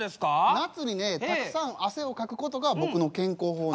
夏にねたくさん汗をかくことが僕の健康法なんですよね。